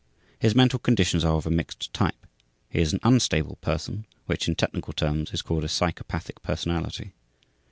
His mental conditions are of a mixed type. He is an unstable person, which in technical terms is called a psychopathic personality.